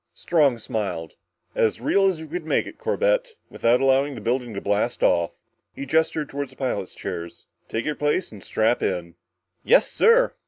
Strong smiled. "As real as we can make it, Corbett, without allowing the building to blast off." He gestured toward the pilot's chairs. "Take your place and strap in." "Yes, sir."